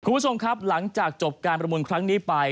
คุณผู้ชมครับหลังจากจบการประมูลครั้งนี้ไป